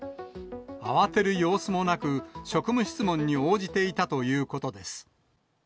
慌てる様子もなく、職務質問に応じていたということです。